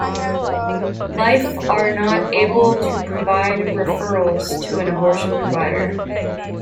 Life are not able to provide referrals to an abortion provider.